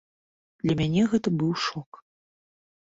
Для мяне гэта быў шок.